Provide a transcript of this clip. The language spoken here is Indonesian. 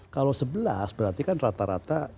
kalau sebelas berarti kan rata rata